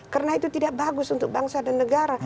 karena itu tidak bagus untuk bangsa dan negara